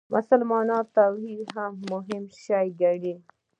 مسلمانان توحید مهم شی ګڼي.